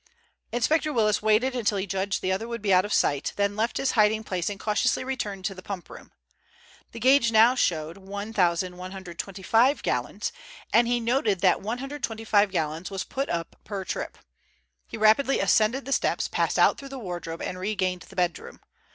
Inspector Willis waited until he judged the other would be out of sight, then left his hiding place and cautiously returned to the pump room. The gauge now showed 1,125 gallons, and he noted that 125 gallons was put up per trip. He rapidly ascended the steps, passed out through the wardrobe, and regained the bedroom.